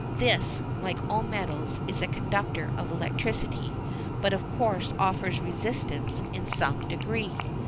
This, like all metals, is a conductor of electricity, but of course offers resistance in some degree.